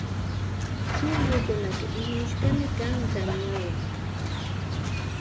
Chukllukunaka ismushkami kan tamyawan